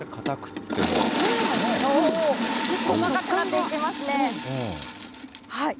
細かくなっていきますね。